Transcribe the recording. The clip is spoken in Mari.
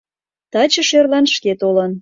Таче шӧрлан шке толын.